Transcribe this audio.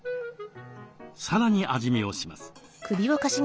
さらに味見をします。